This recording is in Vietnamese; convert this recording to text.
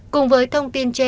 cùng với thông tin trên